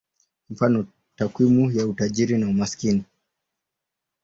Mfano: takwimu ya utajiri na umaskini.